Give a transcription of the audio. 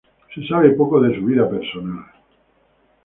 Se sabe poco de su vida personal.